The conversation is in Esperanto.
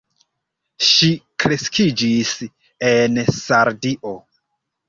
Ŝi kreskiĝis en Sardio.